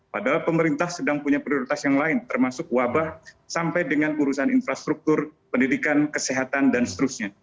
padahal pemerintah sedang punya prioritas yang lain termasuk wabah sampai dengan urusan infrastruktur pendidikan kesehatan dan seterusnya